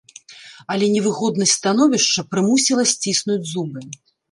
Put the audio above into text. Але невыгоднасць становішча прымусіла сціснуць зубы.